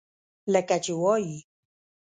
لکه چې وائي ۔